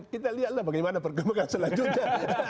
kita lihatlah bagaimana perkembangan selanjutnya